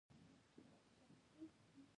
لېږد، رالېږد، اوږد، موږک، ږمنځ، ږيره